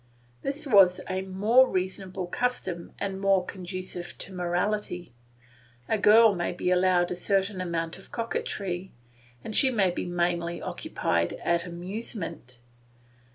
This was a more reasonable custom and more conducive to morality. A girl may be allowed a certain amount of coquetry, and she may be mainly occupied at amusement.